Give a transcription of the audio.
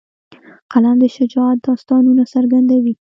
قلم د شجاعت داستانونه څرګندوي